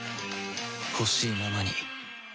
ほしいままに